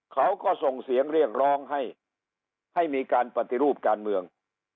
เขาก็ส่งเสียงเรียกร้องให้ให้มีการปฏิรูปการเมือง